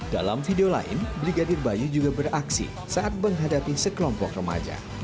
dalam video lain brigadir bayu juga beraksi saat menghadapi sekelompok remaja